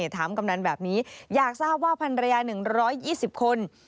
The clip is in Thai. กำนันแบบนี้อยากทราบว่าพันรยา๑๒๐คน